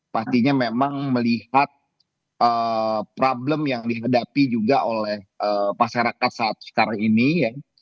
pastinya memang melihat problem yang dihadapi juga oleh masyarakat saat sekarang ini ya